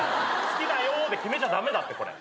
好きだよで決めちゃ駄目だってこれ。